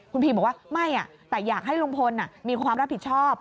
คุณพีบอกว่าไม่แต่อยากให้ลุงพลมีความรับผิดชอบ